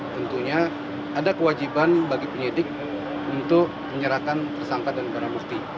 tentunya ada kewajiban bagi penyidik untuk menyerahkan tersangka dan barang bukti